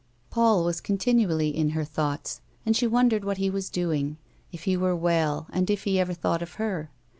Paul was continually in her thoughts and she wondered what he was doing, if he were well and if he ever thought of her.